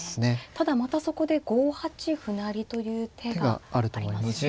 ただまたそこで５八歩成という手がありますね。